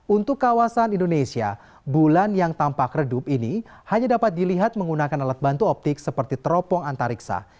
untuk kawasan indonesia bulan yang tampak redup ini hanya dapat dilihat menggunakan alat bantu optik seperti teropong antariksa